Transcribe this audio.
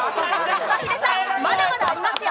しばひでさん、まだまだありますよ。